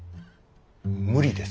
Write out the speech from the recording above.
無理です。